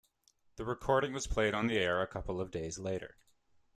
The recording was played on the air a couple of days later.